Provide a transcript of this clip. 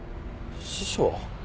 師匠？